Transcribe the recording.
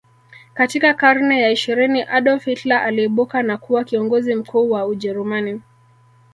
Katika karne ya ishirini Adolf Hitler aliibuka na kuwa kiongozi mkuu wa ujerumani